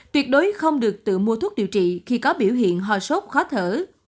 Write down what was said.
tuyệt đối không được tự mua thuốc điều trị khi có biểu hiện ho sốt khó thở